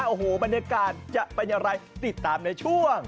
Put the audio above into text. โอ้โหบรรยากาศจะเป็นอย่างไรติดตามในช่วง